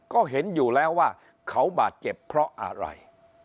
ก็เห็นอยู่แล้วว่าเขาบาดเจ็บเพราะอะไร